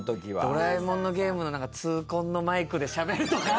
『ドラえもん』のゲームのⅡコンのマイクでしゃべるとか。